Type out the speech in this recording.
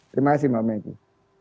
terima kasih mbak maggie